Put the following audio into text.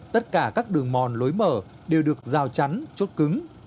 tất cả các đường mòn lối mở đều được rào chắn chốt cứng